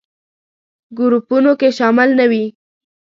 ګروپونو کې شامل نه وي.